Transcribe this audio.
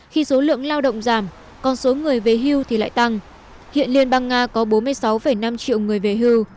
khi số lượng lao động giảm còn số người về hưu thì lại tăng hiện liên bang nga có bốn mươi sáu năm triệu người về hưu